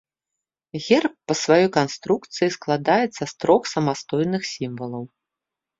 Герб па сваёй канструкцыі складаецца з трох самастойных сімвалаў.